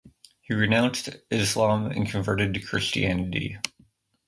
He renounced Islam and converted to Christianity.